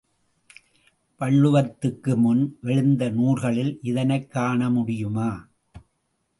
வள்ளுவத்துக்கு முன் எழுந்த நூல்களில் இதனைக் காண முடியுமா?